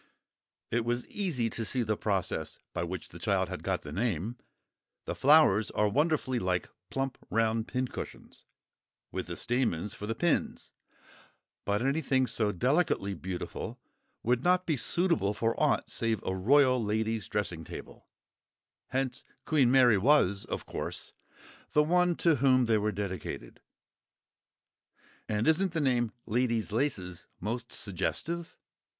It was easy to see the process by which the child had got the name—the flowers are wonderfully like plump round pincushions, with the stamens for the pins: but anything so delicately beautiful would not be suitable for aught save a royal lady's dressing table; hence Queen Mary was, of course, the one to whom they were dedicated. And isn't the name "Lady's Laces" most suggestive?